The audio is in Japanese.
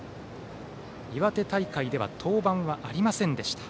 岩手大会では登板がありませんでした。